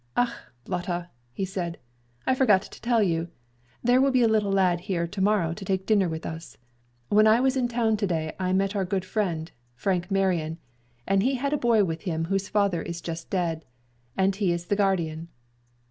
"Ach, Lotta," he said, "I forgot to tell you. There will be a little lad here to morrow to take dinner with us. When I was in town to day I met our good friend, Frank Marion, and he had a boy with him whose father is just dead, and he is the guardian."